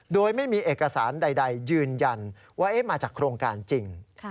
โดยไม่มีเอกสารใดยืนยันว่ามาจากโครงการจริง